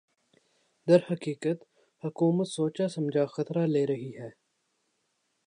درحقیقت حکومت سوچاسمجھا خطرہ لے رہی ہے